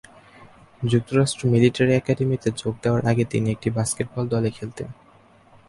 যুক্তরাষ্ট্র মিলিটারি একাডেমীতে যোগ দেওয়ার আগে তিনি একটি বাস্কেটবল দলে খেলতেন।